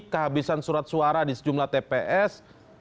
kehabisan surat suara di sejumlah tps